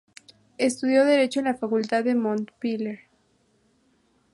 Estudió derecho en la Facultad de Montpellier.